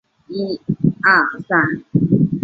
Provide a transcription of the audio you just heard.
马勒维勒。